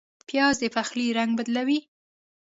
پیاز د پخلي رنګ بدلوي